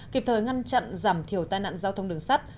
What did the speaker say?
kịp thời ngăn chặn giảm thiểu tai nạn giao thông đường sắt